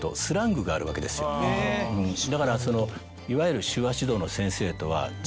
だからいわゆる。